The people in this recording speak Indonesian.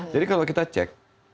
jadi kalau kita cek